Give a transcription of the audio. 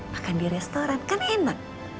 makan di restoran kan enak